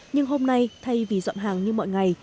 nhưng hôm nay thay vì dọn hàng như mọi ngày